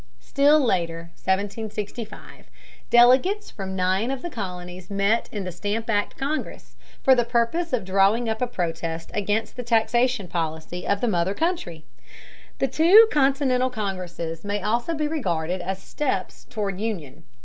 Still later (1765) delegates from nine of the colonies met in the Stamp Act Congress, for the purpose of drawing up a protest against the taxation policy of the mother country. The two continental congresses may also be regarded as steps toward union.